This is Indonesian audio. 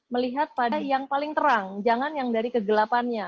melihat pada yang paling terang jangan yang dari kegelapannya